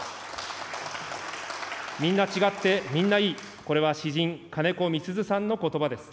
みんな違ってみんないい、これは詩人、金子みすゞさんのことばです。